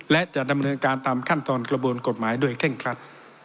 และจะดำเนินการตามขั้นตอนกระบวนกฎหมายโดยเคร่งครัด